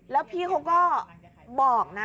แล้วพี่เขาก็บอกนะ